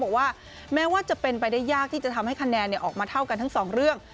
บอกว่าแม้ว่าจะเป็นไปได้ยากที่จะทำให้คะแนนออกมาเท่ากันทั้งสองเรื่อง